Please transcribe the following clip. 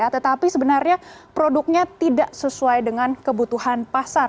tetapi sebenarnya produknya tidak sesuai dengan kebutuhan pasar